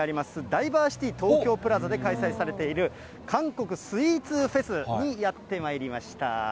ダイバーシティ東京プラザで開催されている韓国スイーツフェスにやってまいりました。